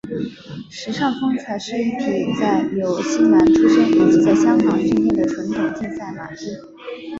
时尚风采是一匹在纽西兰出生以及在香港训练的纯种竞赛马匹。